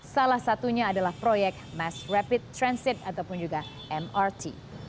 salah satunya adalah proyek mass rapid transit ataupun juga mrt